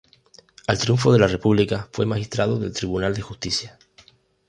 Al triunfo de la República fue magistrado del Tribunal de Justicia.